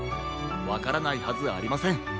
わからないはずありません。